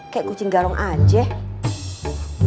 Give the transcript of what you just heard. kayak kucing garong aja